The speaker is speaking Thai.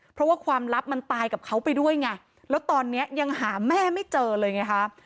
เพราะว่าความลับมันตายกับเขาไปด้วยไงแล้วตอนนี้ยังหาแม่ไม่เจอเลยไงคะ